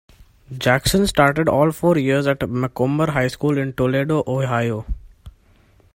Jackson started all four years at Macomber High School in Toledo, Ohio.